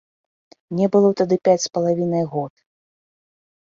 Мне было тады пяць з палавінай год.